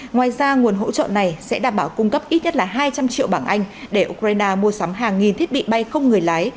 ngoài ra nguồn hỗ trợ này sẽ đảm bảo cung cấp ít nhất là hai trăm linh triệu bảng anh để ukraine mua sắm hàng nghìn thiết bị bay không người lái